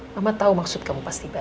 mama tau maksud kamu pas tiba